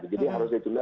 jadi harus dicoba